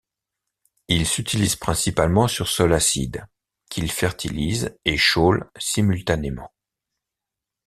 Il s'utilise principalement sur sols acides, qu'il fertilise et chaule simultanément.